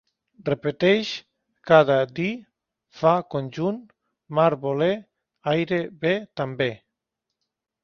Repeteix: cada, dir, fa, conjunt, mar, voler, aire, bé, també